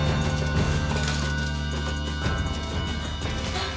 あっ。